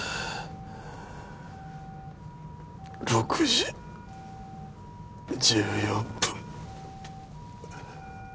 ６時１４分５秒。